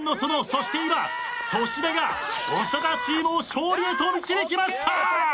そして今粗品が長田チームを勝利へと導きました！